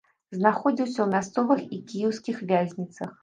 Знаходзіўся ў мясцовых і кіеўскіх вязніцах.